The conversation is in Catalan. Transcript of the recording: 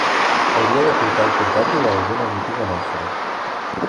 Hauria de portar el portàtil a alguna botiga nostra.